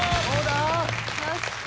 よし！